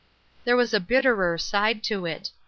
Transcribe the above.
There was a bitterer side to it.